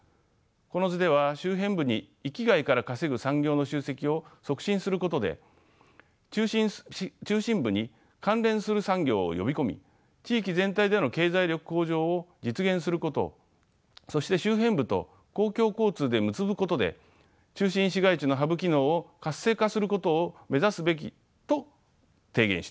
この図では周辺部に域外から稼ぐ産業の集積を促進することで中心部に関連する産業を呼び込み地域全体での経済力向上を実現することそして周辺部と公共交通で結ぶことで中心市街地のハブ機能を活性化することを目指すべきと提言しています。